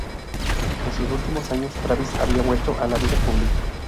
En sus últimos años Travis había vuelto a la vida pública.